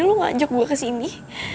jadi lu ngajak gue kesini